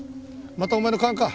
またお前の勘か？